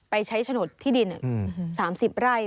ใช้โฉนดที่ดิน๓๐ไร่